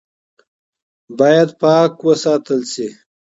باید پاکه وساتل شي.